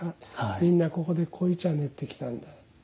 みんなここで濃茶練ってきたんだ。